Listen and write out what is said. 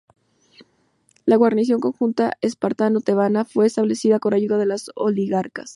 La guarnición conjunta espartano-tebana fue establecida con ayuda de los oligarcas.